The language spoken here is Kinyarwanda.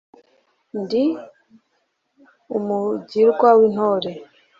ndi umugirwa w' intore